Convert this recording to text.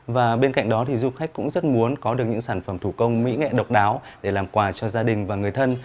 và bên cạnh đó thì du khách cũng rất muốn có được những sản phẩm thủ công mỹ nghệ độc đáo để làm quà cho gia đình và người thân